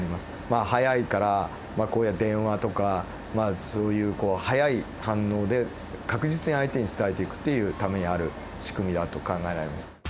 まあ速いからこういう電話とかまあそういうこう速い反応で確実に相手に伝えていくっていうためにある仕組みだと考えられます。